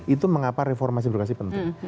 itu mengapa reformasi birokrasi penting